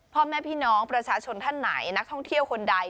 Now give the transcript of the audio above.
พ่อแม่พี่น้องประชาชนท่านไหนนักท่องเที่ยวคนใด